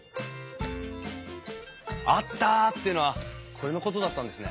「あった！」っていうのはこれのことだったんですね。